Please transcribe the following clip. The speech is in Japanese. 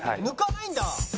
「抜かないんだ！」